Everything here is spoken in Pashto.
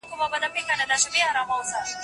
سختۍ ته مه تسلیمېږه.